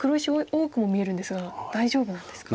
多くも見えるんですが大丈夫なんですか？